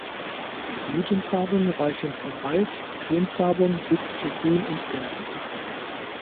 Die Blütenfarben reichen von weiß, cremefarben, bis zu grün und gelb.